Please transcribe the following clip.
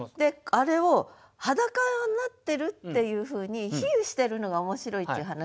あれを裸になってるっていうふうに比喩してるのが面白いっていう話なの。